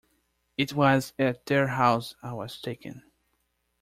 It was at their house I was taken.